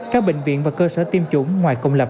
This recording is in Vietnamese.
các bệnh viện và cơ sở tiêm chủng ngoài công lập